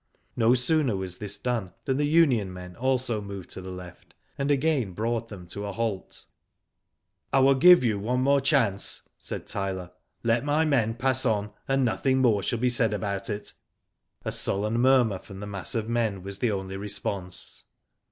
No sooner was this done than the union men also moved to the left, and again brought them to a halt. I will give you one more chance,'* said Tyler. Let my men pass on, and nothing more shall be said about it." • A sullen murmur from the mass of men was the only response.